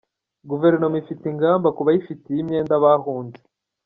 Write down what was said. Guverinoma ifite ingamba ku bayifitiye imyenda bahunze.